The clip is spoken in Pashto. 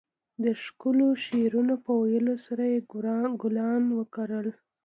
د ښکلو شعرونو په ويلو سره يې ګلان وکرل.